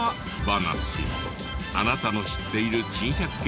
あなたの知っている珍百景